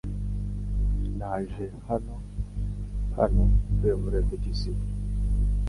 Naje hano hano mvuye muri repetition .